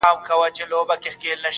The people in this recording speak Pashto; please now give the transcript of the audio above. دی په ښکته که شته پورته پر زما